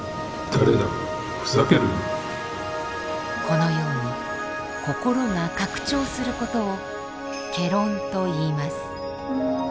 このように心が拡張することを戯論といいます。